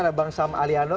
ada bang sam aliano